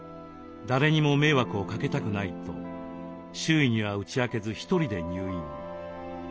誰にも迷惑をかけたくないと周囲には打ち明けずひとりで入院。